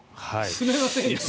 住めませんよ。